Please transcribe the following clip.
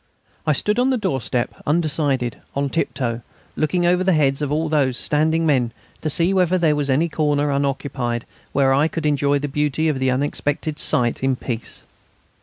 I stood on the doorstep, undecided, on tip toe, looking over the heads of all those standing men to see whether there was any corner unoccupied where I could enjoy the beauty of the unexpected sight in peace.